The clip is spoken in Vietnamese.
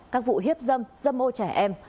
các vụ hiếp dâm dâm ô trẻ em